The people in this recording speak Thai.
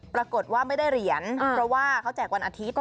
ปรากฏว่าไม่ได้เหรียญเพราะว่าเขาแจกวันอาทิตย์